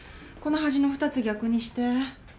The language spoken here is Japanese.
この端の２つ逆にして。